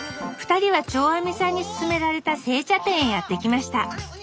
２人は長阿彌さんにすすめられた製茶店へやって来ました。